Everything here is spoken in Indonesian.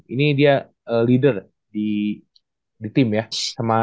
ini dia leader di tim ya